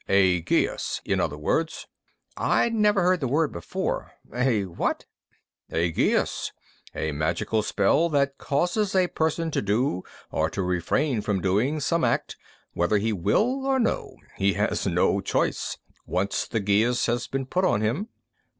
"A geas, in other words." I'd never heard the word before. "A what?" "A geas. A magical spell that causes a person to do or to refrain from doing some act, whether he will or no. He has no choice, once the geas has been put on him."